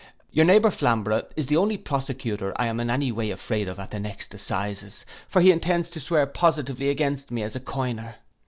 Your neighbour Flamborough is the only prosecutor I am any way afraid of at the next assizes: for he intends to swear positively against me as a coiner.